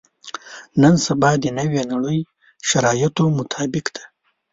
نن سبا د نوې نړۍ شرایطو مطابق ده.